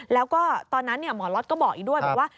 แล้วก็ตอนนั้นหมอล็อตก็บอกอีกด้วยบอกว่า